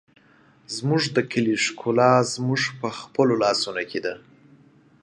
زموږ د کلي ښکلا زموږ په خپلو لاسونو کې ده.